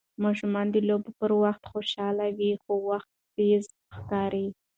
ماشومان د لوبو په وخت خوشحاله وي، وخت تېز ښکاري.